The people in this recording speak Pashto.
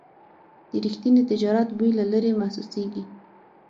د رښتیني تجارت بوی له لرې محسوسېږي.